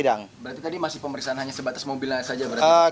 berarti tadi masih pemeriksaan hanya sebatas mobilnya saja berarti